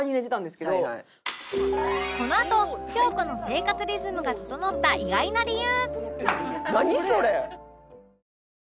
このあと京子の生活リズムが整った意外な理由